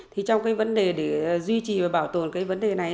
thì trong cái vấn đề để duy trì và bảo tồn cái vấn đề này